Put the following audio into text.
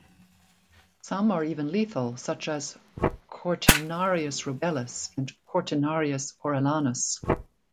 Some are even lethal, such as "Cortinarius rubellus" and "Cortinarius orellanus".